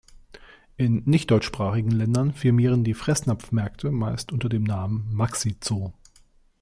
In nicht-deutschsprachigen Ländern firmieren die Fressnapf-Märkte meist unter dem Namen „"Maxi Zoo"“.